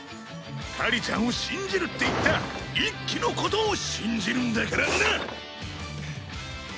カリちゃんを信じるって言った一輝のことを信じるんだからな！